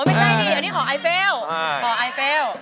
ไม่ใช่ดีอันนี้หอไอเฟล